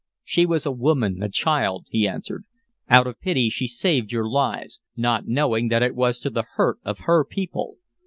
"She was a woman, a child," he answered. "Out of pity she saved your lives, not knowing that it was to the hurt of her people.